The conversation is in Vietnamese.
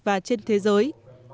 và trên thế giới